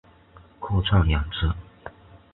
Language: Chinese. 客串演出